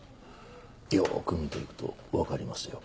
よく見て行くと分かりますよ。